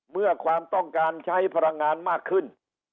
เมื่อความต้องการใช้พลังงานมากขึ้น